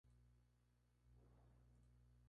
Sea "A" matriz compleja cuadrada normal.